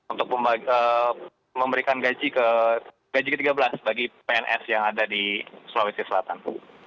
untuk memberikan gaji ke tiga belas bagi pns yang ada di sulawesi selatan